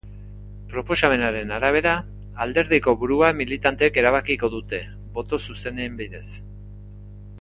Proposamenaren arabera, alderdiko burua militanteek erabakiko dute, boto zuzenen bidez.